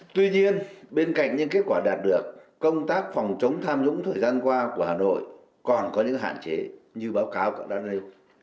tuy nhiên bên cạnh những kết quả đạt được công tác phòng chống tham nhũng thời gian qua của hà nội còn có những hạn chế như báo cáo đã nêu